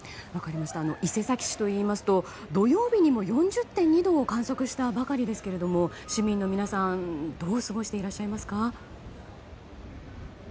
伊勢崎市といいますと土曜日にも４０．２度を観測したばかりですが市民の皆さんはどう過ごしていらっしゃいますか。